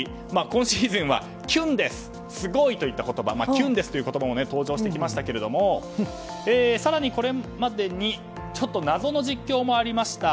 今シーズンはキュンデススゴイ！という言葉キュンデスという言葉も登場してきましたが更にこれまでに謎の実況もありました。